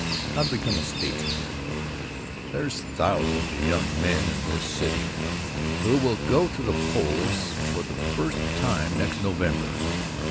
How to Become a Statesman THERE'S thousands of young men in this city who will go to the polls for the first time next November.